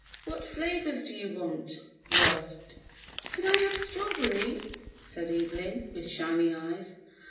"What flavors do you want?" he asked. "Can I have strawberry.^" said Evelyn, with shining eyes.